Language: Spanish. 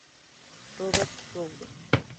Robert Roode".